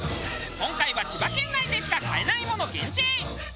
今回は千葉県内でしか買えないもの限定！